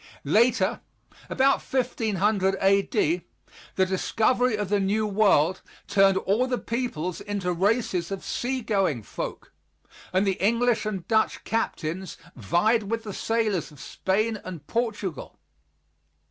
Later, about 1500 A.D., the discovery of the New World turned all the peoples into races of sea going folk, and the English and Dutch captains vied with the sailors of Spain and Portugal.